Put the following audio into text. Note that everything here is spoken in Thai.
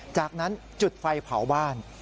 จากนั้นจุดไฟเผาบ้าน